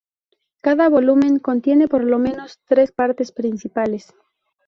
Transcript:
Cada volumen contiene por lo menos tres partes principales.